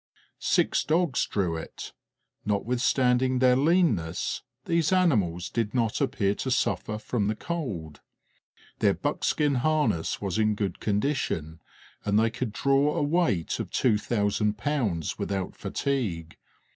Six dogs drew it; notwithstanding their leanness these animals did not appear to suffer from the cold; their buckskin harness was in good condition, and they could draw a weight of two thousand pounds without fatigue.